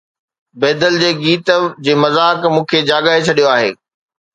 بيدل جي گيت جي مذاق مون کي جاڳائي ڇڏيو آهي